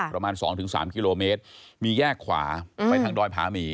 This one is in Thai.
ประมาณ๒๓กิโลเมตรมีแยกขวาไปทางดอยผาหมี